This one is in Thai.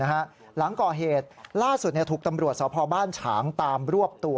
หลังก่อเหตุล่าสุดถูกตำรวจสพบ้านฉางตามรวบตัว